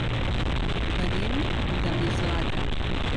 Venim de Mislata.